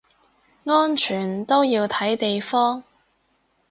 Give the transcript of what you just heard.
安全都要睇地方